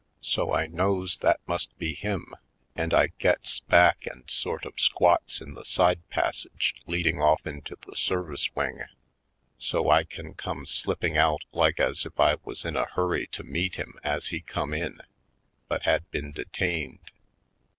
So I knows that must be him and I gets back and sort of squats in the side passage leading off into the service wing, so I can come slipping out like as if I was in a hurry to meet him as he come in, biit had been detained.